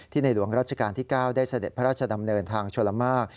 ในหลวงราชการที่๙ได้เสด็จพระราชดำเนินทางชลมาก